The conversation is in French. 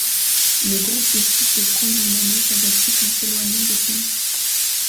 Le groupe décide de prendre une année sabbatique en s'éloignant des scènes.